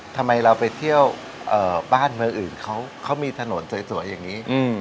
ทำไมเราไปเที่ยวบ้านเมืองอื่นเขามีถนนสวยอย่างนี้